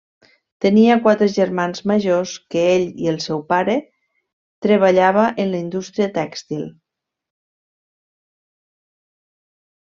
Tenia quatre germans majors que ell i el seu pare treballava en la indústria tèxtil.